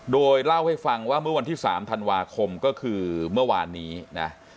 โดยเล่าให้ฟังว่าเมื่อวันที่๓ธันวาคมก็คือเมื่อวานนี้นะ